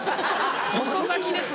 遅咲きですね。